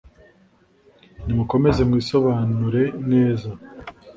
Nimukomeze mwisobanure neza